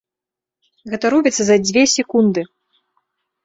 Гэта робіцца за дзве секунды.